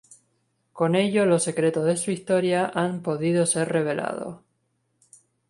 Con ello, los secretos de su historia han podido ser revelados.